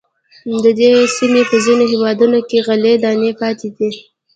د دې سیمې په ځینو هېوادونو کې غلې دانې پاتې دي.